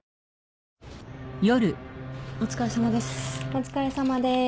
お疲れさまです。